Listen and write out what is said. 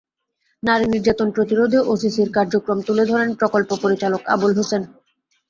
নারী নির্যাতন প্রতিরোধে ওসিসির কার্যক্রম তুলে ধরেন প্রকল্প পরিচালক আবুল হোসেন।